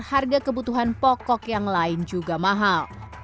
harga kebutuhan pokok yang lain juga mahal